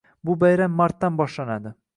Bu bayram martdan boshlanadi.